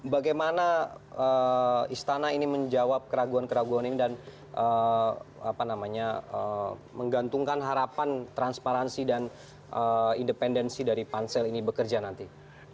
bagaimana istana ini menjawab keraguan keraguan ini dan menggantungkan harapan transparansi dan independensi dari pansel ini bekerja nanti